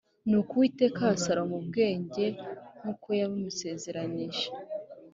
Nuko Uwiteka aha Salomo ubwenge nk’uko yamusezeranije